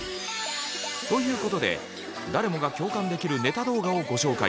ということで誰もが共感できるネタ動画をご紹介。